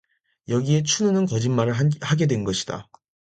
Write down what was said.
여기에 춘우는 거짓말을 하게 된 것이다.